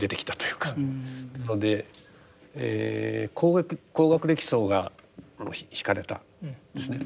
なので高学歴層が惹かれたんですね。